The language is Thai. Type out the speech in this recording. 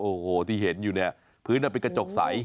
โอ้โหที่เห็นอยู่เนี่ยพื้นเป็นกระจกใส